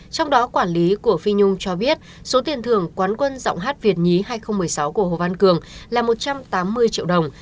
trong đó quản lý của phi nhung cho biết số tiền thưởng quán quân giọng hát việt nhí hai nghìn một mươi sáu của hồ văn cường là một trăm tám mươi triệu đồng